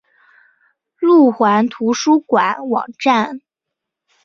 路环图书馆网站